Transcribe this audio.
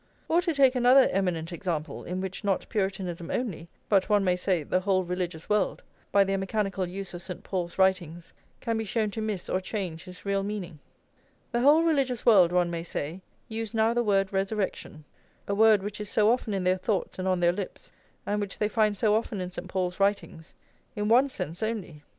Or to take another eminent example, in which not Puritanism only, but, one may say, the whole religious world, by their mechanical use of St. Paul's writings, can be shown to miss or change his real meaning. The whole religious world, one may say, use now the word resurrection, a word which is so often in their thoughts and on their lips, and which they find so often in St. Paul's writings, in one sense only.